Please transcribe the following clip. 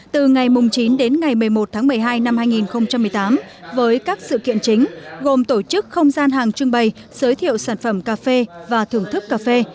từ ngày chín đến ngày một mươi một tháng một mươi hai năm hai nghìn một mươi tám với các sự kiện chính gồm tổ chức không gian hàng trưng bày giới thiệu sản phẩm cà phê và thưởng thức cà phê